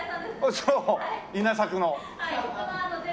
そう稲作の。